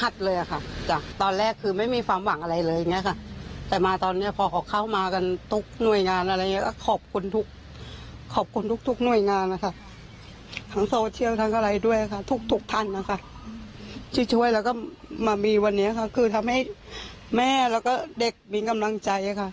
เด็กแว้นมีกำลังใจนะคะ